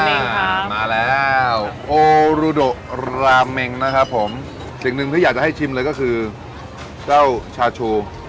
อ่ามาแล้วโอรูโดราเมงนะครับผมสิ่งหนึ่งที่อยากจะให้ชิมเลยก็คือเจ้าชาชู